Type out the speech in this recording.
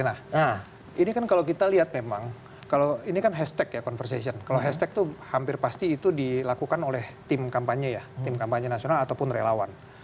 nah ini kan kalau kita lihat memang kalau ini kan hashtag ya conversation kalau hashtag itu hampir pasti itu dilakukan oleh tim kampanye ya tim kampanye nasional ataupun relawan